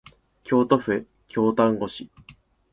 京都府京丹後市